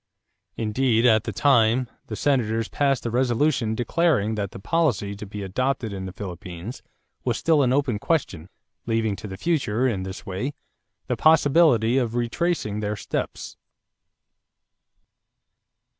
Indeed at the time, the Senators passed a resolution declaring that the policy to be adopted in the Philippines was still an open question, leaving to the future, in this way, the possibility of retracing their steps.